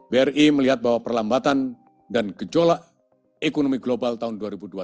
bri melihat bahwa perlambatan dan gejolak ekonomi global tahun dua ribu dua puluh satu